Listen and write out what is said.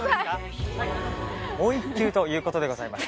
もう一球ということでございます。